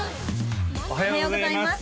おはようございます